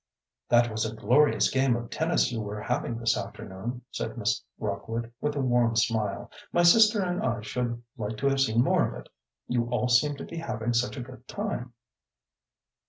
"That was a glorious game of tennis you were having this afternoon," said Miss Rockwood, with a warm smile. "My sister and I should like to have seen more of it. You all seemed to be having such a good time."